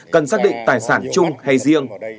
cần xác định tài sản chung hay riêng